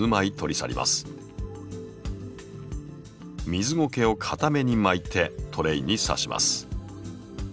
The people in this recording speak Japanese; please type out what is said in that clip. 水ゴケをかために巻いてトレイにさします。